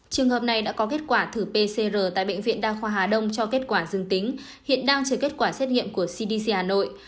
trường hợp này đã có kết quả thử pcr tại bệnh viện đa khoa hà đông cho kết quả dương tính hiện đang chờ kết quả xét nghiệm của cdc hà nội